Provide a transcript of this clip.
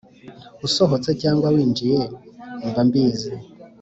usohotse cyangwa winjiye, mba mbizi.